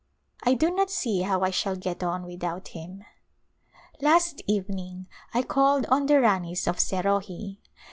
I do not see how I shall get on without him. Last evening I called on the Ranis of Serohi.